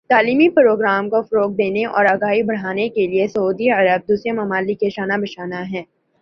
تعلیمی پروگراموں کو فروغ دینے اور آگاہی بڑھانے کے لئے سعودی عرب دوسرے ممالک کے شانہ بشانہ ہے